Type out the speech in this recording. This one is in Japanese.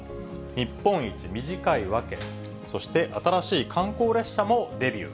日本一短い訳、そして新しい観光列車もデビュー。